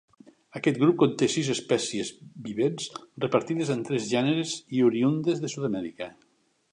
Aquest grup conté sis espècies vivents repartides en tres gèneres i oriündes de Sud-amèrica.